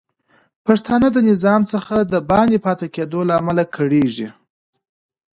پښتانه د نظام څخه د باندې پاتې کیدو له امله کړیږي